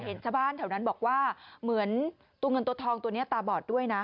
เห็นชาวบ้านแถวนั้นบอกว่าเหมือนตัวเงินตัวทองตัวนี้ตาบอดด้วยนะ